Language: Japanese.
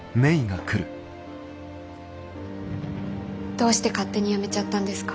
どうして勝手に辞めちゃったんですか。